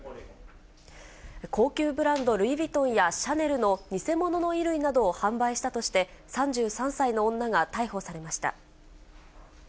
高級ブランド、ルイ・ヴィトンやシャネルの偽物の衣類などを販売したとして、３３歳の女が逮捕されました。